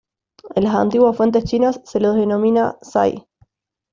En las antiguas fuentes chinas se los denomina "sai".